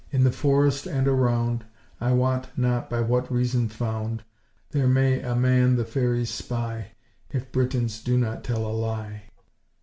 (In the forest and around, I wot not by what reason found, There may a man the fairies spy, If Britons do not tell a lie.)